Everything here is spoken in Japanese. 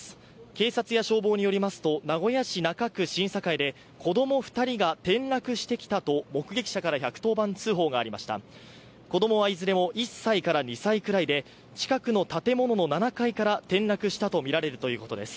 警察や消防によりますと、名古屋市中区新栄で子供２人が転落してきたと目撃者から１１０番通報がありました子供はいずれも１歳から２歳くらいで近くの建物の７階から転落したとみられるということです。